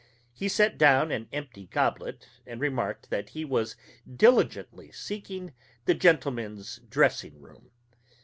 He set down an empty goblet and remarked that he was diligently seeking the gentlemen's dressing room.